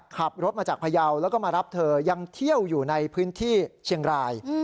ขับรถมาจากพยาวแล้วก็มารับเธอยังเที่ยวอยู่ในพื้นที่เชียงราย